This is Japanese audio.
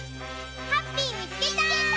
ハッピーみつけた！